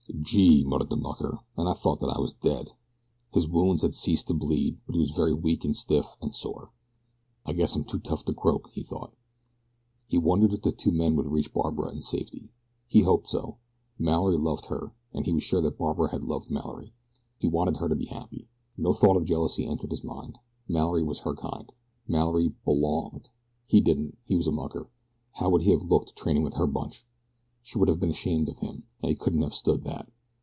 "Gee!" muttered the mucker; "and I thought that I was dead!" His wounds had ceased to bleed, but he was very weak and stiff and sore. "I guess I'm too tough to croak!" he thought. He wondered if the two men would reach Barbara in safety. He hoped so. Mallory loved her, and he was sure that Barbara had loved Mallory. He wanted her to be happy. No thought of jealousy entered his mind. Mallory was her kind. Mallory "belonged." He didn't. He was a mucker. How would he have looked training with her bunch. She would have been ashamed of him, and he couldn't have stood that.